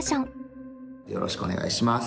よろしくお願いします。